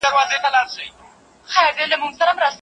د حمل په وخت کي له جماع کولو څخه منع وکړم.